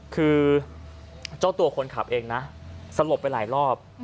คือเจ้าตัวคนขับเองนะสลบไปหลายรอบ